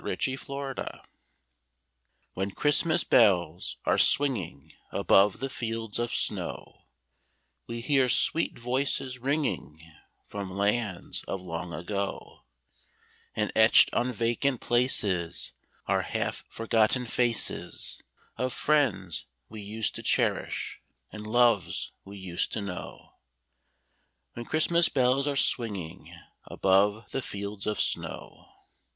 CHRISTMAS FANCIES When Christmas bells are swinging above the fields of snow, We hear sweet voices ringing from lands of long ago, And etched on vacant places Are half forgotten faces Of friends we used to cherish, and loves we used to know— When Christmas bells are swinging above the fields of snow.